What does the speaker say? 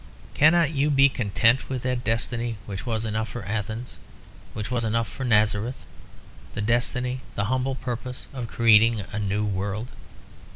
Cannot you be content with that destiny which was enough for Athens, which was enough for Nazareth? the destiny, the humble purpose, of creating a new world.